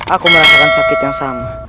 aku merasakan sakit yang sama